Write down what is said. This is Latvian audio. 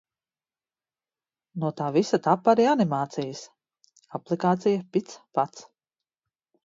No tā visa tapa arī animācijas! Aplikācija Pic Pac.